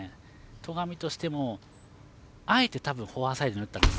戸上としてもあえて、フォアサイドに打ったんですよ。